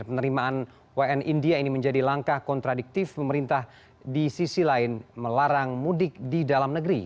penerimaan wn india ini menjadi langkah kontradiktif pemerintah di sisi lain melarang mudik di dalam negeri